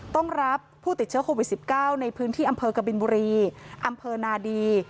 ต้องรับผู้ติดเชื้อโควิด๑๙ในพื้นที่อำเภอกบินบุรีอำเภอนาดี